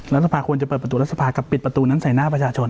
รัฐสภาควรจะเปิดประตูรัฐสภากับปิดประตูนั้นใส่หน้าประชาชน